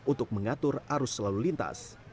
untuk penyelidikan penyelidikan arus selalu lintas